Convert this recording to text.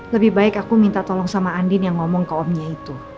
lebih baik aku minta tolong sama andin yang ngomong ke omnya itu